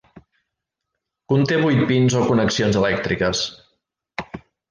Conté vuit 'pins' o connexions elèctriques.